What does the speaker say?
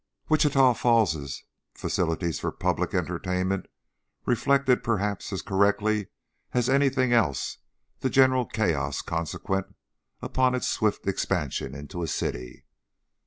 Wichita Falls's facilities for public entertainment reflected perhaps as correctly as anything else the general chaos consequent upon its swift expansion into a city.